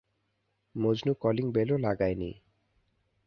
Majnu calling বেলও লাগায় নি।